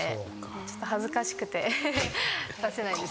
ちょっと恥ずかしくて出せないですね。